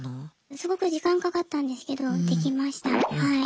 すごく時間かかったんですけどできましたはい。